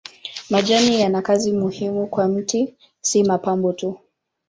Majani yana kazi muhimu kwa mti si mapambo tu.